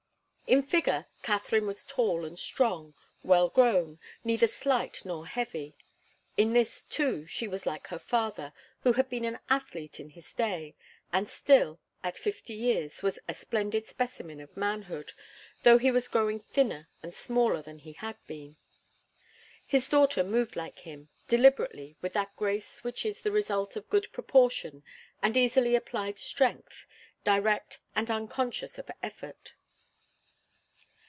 In figure, Katharine was tall and strong, well grown, neither slight nor heavy. In this, too, she was like her father, who had been an athlete in his day, and still, at fifty years, was a splendid specimen of manhood, though he was growing thinner and smaller than he had been. His daughter moved like him, deliberately, with that grace which is the result of good proportion and easily applied strength, direct and unconscious of effort.